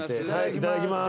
いただきます。